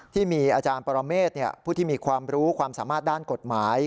ที่มีอาจารย์ปรเมฆผู้ที่มีความรู้ความสามารถด้านกฎหมาย